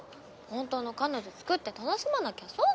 本当の彼女作って楽しまなきゃ損だよ